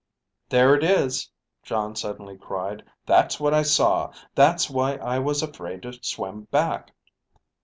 "There it is," Jon suddenly cried. "That's what I saw. That's why I was afraid to swim back."